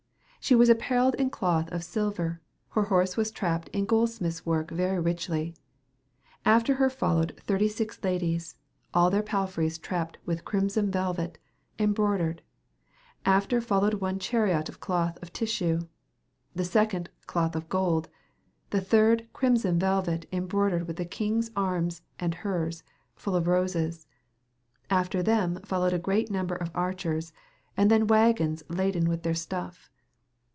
She was appeareilled in cloth of siluer, her horse was trapped in goldsmythes work very rychly. After her followed xxxvi ladies al ther palfreys trapped with crymsyn veluet, embraudered: after the folowed one charyott of cloth of tyssue, the seconde clothe of golde and the third Crymsyn veluet embraudered with the kynges armes & hers, full of roses. After them folowed a greate nomber of archers and then wagons laden with their stuf.